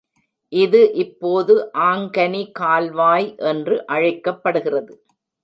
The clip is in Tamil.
இது இப்போது ஆங்கனி கால்வாய் என்று அழைக்கப்படுகிறது.